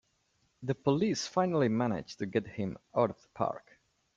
The police finally manage to get him out of the park!